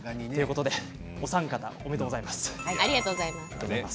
お三方、おめでとうございます。